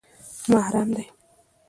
_محرم دي؟